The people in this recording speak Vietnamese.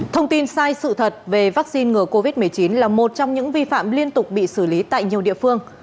thông tin sai sự thật về vaccine ngừa covid một mươi chín là một trong những vi phạm liên tục bị xử lý tại nhiều địa phương